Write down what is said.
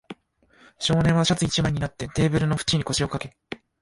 少年はシャツ一枚になって、テーブルの縁に腰をかけ、